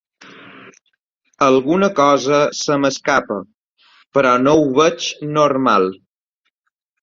Alguna cosa se m’escapa, però no ho veig normal.